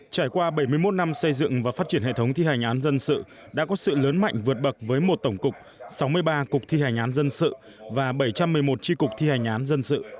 trải qua bảy mươi một năm xây dựng và phát triển hệ thống thi hành án dân sự đã có sự lớn mạnh vượt bậc với một tổng cục sáu mươi ba cục thi hành án dân sự và bảy trăm một mươi một tri cục thi hành án dân sự